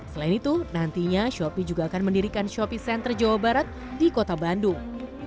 selain itu nantinya shopee juga akan mendirikan shopee center jawa barat di kota bandung